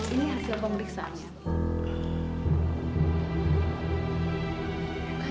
ini hasil pemeriksaan